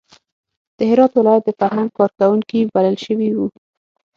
د هرات ولایت د فرهنګ کار کوونکي بلل شوي وو.